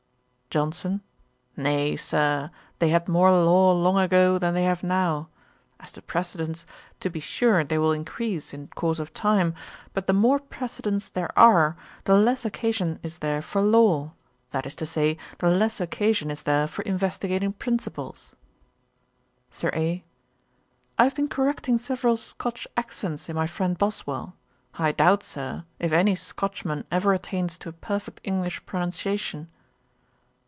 JOHNSON. 'Nay, Sir, they had more law long ago than they have now. As to precedents, to be sure they will increase in course of time; but the more precedents there are, the less occasion is there for law; that is to say, the less occasion is there for investigating principles.' SIR A. 'I have been correcting several Scotch accents in my friend Boswell. I doubt, Sir, if any Scotchman ever attains to a perfect English pronunciation.'